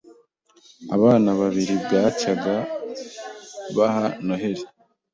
Abana babiri bwacyaga haba noheli